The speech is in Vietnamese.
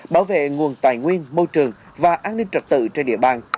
bảo vệ nguồn tài nguyên môi trường và an ninh trật tự trên địa bàn